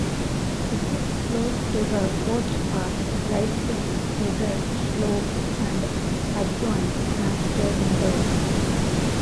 It sits close to the coast path, lightly wooded slopes and adjoins pasture meadows.